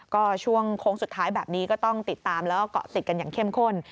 ก็ช่วงโค้งสุดท้ายแบบนี้ก็ต้องติดตามแล้วก็เกาะติดกันอย่างเข้มข้น